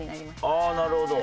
ああなるほど。